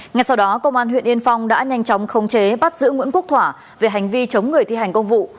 ngay sau đó công an huyện yên phong đã nhanh chóng khống chế bắt giữ nguyễn quốc thỏa về hành vi chống người thi hành công vụ